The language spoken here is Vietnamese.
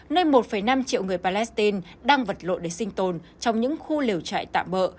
nơi một năm triệu người palestine đang vật lộn để sinh tồn trong những khu liều trại tạm bỡ